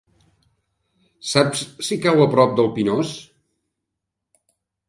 Saps si cau a prop del Pinós?